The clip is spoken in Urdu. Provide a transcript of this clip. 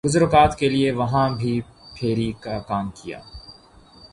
گزر اوقات کیلئے وہاں بھی پھیر ی کاکام کیا۔